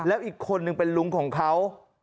แล้วอีกคนนึงเป็นลุงของเขา